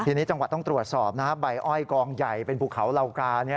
ทีนี้จังหวัดต้องตรวจสอบนะใบอ้อยกองใหญ่เป็นภูเขาเหล่ากา